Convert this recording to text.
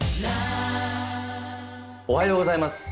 おはようございます。